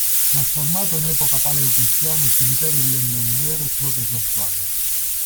Trasformato in epoca paleocristiana, il cimitero divenne un vero e proprio santuario.